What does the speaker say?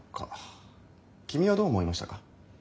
君はどう思いましたか？